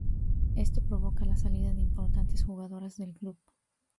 Esto provoca la salida de importantes jugadoras del club.